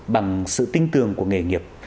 bằng sự tinh tường của nghề nghiệp